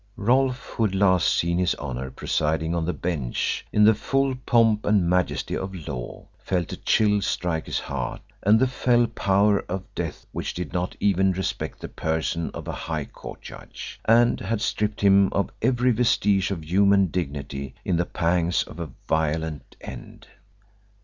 Rolfe, who had last seen His Honour presiding on the Bench in the full pomp and majesty of law, felt a chill strike his heart at the fell power of death which did not even respect the person of a High Court judge, and had stripped him of every vestige of human dignity in the pangs of a violent end.